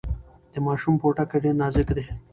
د ماشوم پوټکی ډیر نازک دی۔